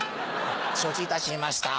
「承知いたしました」。